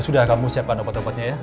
sudah kamu siapkan obat obatnya ya